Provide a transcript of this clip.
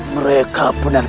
mereka pun akan menang